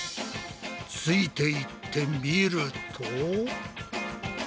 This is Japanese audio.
ついていってみると。